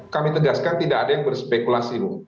kami tegaskan tidak ada yang berspekulasi